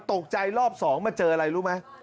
ตกใจรอบ๒มาเจออะไรรู้ไหม